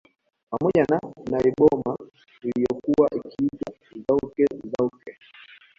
Pamoja na Nyboma iliyokuwa ikiitwa Zouke Zouke